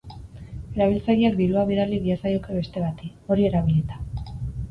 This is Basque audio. Erabiltzaileak dirua bidali diezaioke beste bati, hori erabilita.